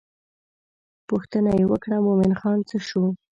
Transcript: پوښتنه یې وکړه مومن خان څه شو.